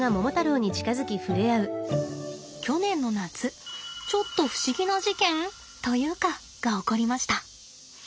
去年の夏ちょっと不思議な事件？というかが起こりました。